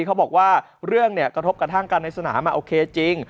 เขาบอกว่าเรื่องกระทบกระทั่งกันในสนามโอเคจริง